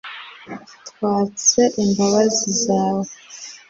twaatse imbabazi zawe